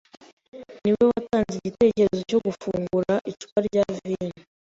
niwe watanze igitekerezo cyo gufungura icupa rya vino.